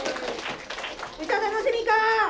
歌楽しみか！